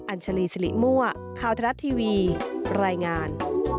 ัญชาลีสิริมั่วข่าวทรัฐทีวีรายงาน